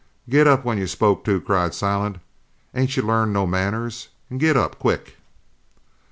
"Get up when you're spoke to" cried Silent. "Ain't you learned no manners? An' git up quick!"